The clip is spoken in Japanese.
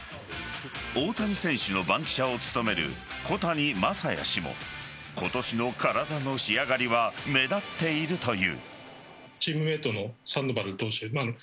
大谷選手の番記者を務める小谷真弥氏も今年の体の仕上がりは目立っているという。